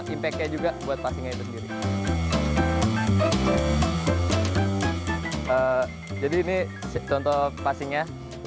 impactnya juga buat passingnya itu sendiri jadi ini contoh passingnya